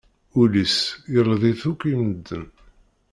Ul-is, yeldi-t akk i medden.